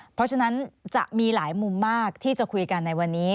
เพราะฉะนั้นจะมีหลายมุมมากที่จะคุยกันในวันนี้